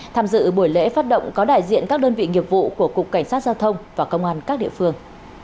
tham dự buổi lễ phát động có đại diện các đơn vị nghiệp vụ của cục cảnh sát giao thông và công an các địa phương